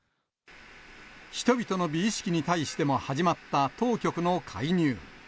人々の美意識に対しても始まった当局の介入。